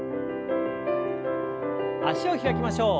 脚を開きましょう。